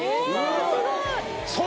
えすごい！